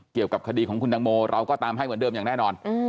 เกี่ยวกับคดีของคุณตังโมเราก็ตามให้เหมือนเดิมอย่างแน่นอน